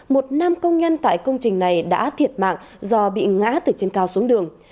một nam công nhân tại công trình này đã thiệt mạng do bị ngã từ trên cao xuống đường